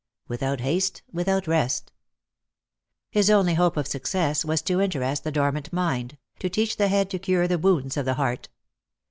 " Without haste, without rest." Lost for Love. 203 His only hope of success was to interest the dormant mind, to teach the head to cure the wounds of the heart.